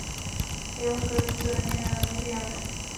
Jeho hokejovým vzorem je Jaromír Jágr.